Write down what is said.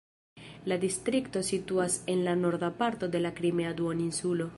La distrikto situas en la norda parto de la Krimea duoninsulo.